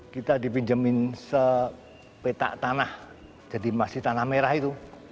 kita dipinjemin sepetak tanah jadi masih tanah merah itu